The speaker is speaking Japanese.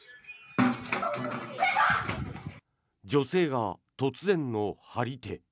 女性が突然の張り手。